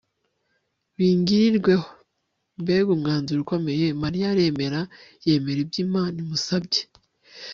bingirirweho ». mbega umwanzuro ukomeye ! mariya aremera, yemera ibyo imana imusabye